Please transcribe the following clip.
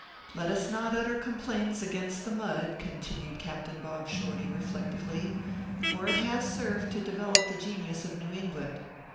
Let us not utter complaints against the mud," continued Captain Bob Shorty, reflectively, " for it has served to develop the genius of New England.